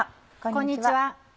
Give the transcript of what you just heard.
こんにちは。